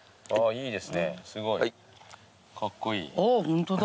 ホントだ。